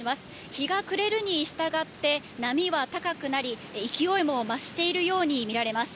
日が暮れるにしたがって、波は高くなり、勢いも増しているように見られます。